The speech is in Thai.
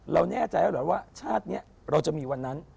แน่ใจแล้วเหรอว่าชาตินี้เราจะมีวันนั้น